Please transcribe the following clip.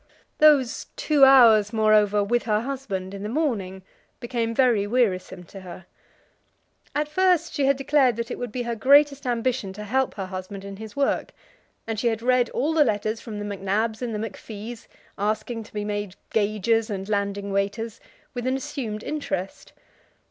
Those two hours, moreover, with her husband in the morning became very wearisome to her. At first she had declared that it would be her greatest ambition to help her husband in his work, and she had read all the letters from the MacNabs and MacFies, asking to be made gaugers and landing waiters, with an assumed interest.